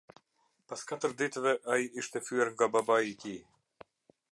Pas katër ditëve ai ishte fyer nga babai i tij.